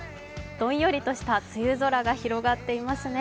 どんよりとした空が広がっていますね。